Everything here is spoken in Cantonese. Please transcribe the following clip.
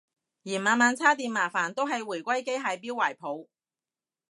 嫌晚晚叉電麻煩都係回歸機械錶懷抱